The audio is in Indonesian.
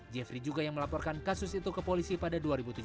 jeffrey juga yang melaporkan kasus itu ke polisi pada dua ribu tiga belas